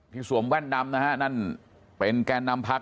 สวมแว่นดำนะฮะนั่นเป็นแกนนำพัก